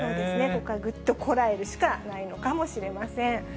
ここはぐっとこらえるしかないのかもしれません。